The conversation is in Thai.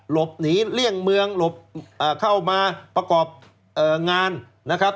หลบหนีเลี่ยงเมืองหลบเข้ามาประกอบงานนะครับ